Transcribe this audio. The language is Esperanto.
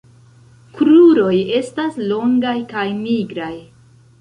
Kruroj estas longaj kaj nigraj.